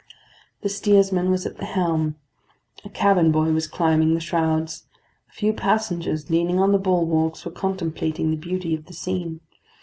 The steersman was at the helm; a cabin boy was climbing the shrouds; a few passengers leaning on the bulwarks were contemplating the beauty of the scene.